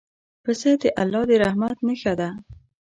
پسه د الله د رحمت نښه ده.